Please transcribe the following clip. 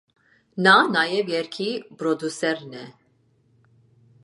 Նա նաև երգի պրոդյուսերն է։